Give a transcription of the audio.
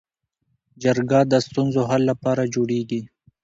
جرګه د ستونزو حل لپاره جوړیږي